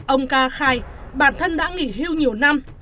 ông ca khai bản thân đã nghỉ hưu nhiều năm